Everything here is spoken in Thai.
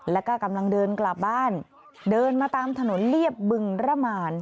แล้วก็กำลังเดินกลับบ้านเดินมาตามถนนเรียบบึงระมาน